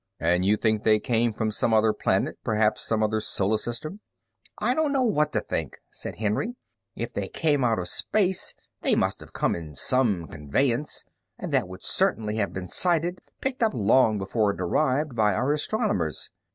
"And you think they came from some other planet, perhaps some other solar system?" "I don't know what to think," said Henry. "If they came out of space they must have come in some conveyance, and that would certainly have been sighted, picked up long before it arrived, by our astronomers.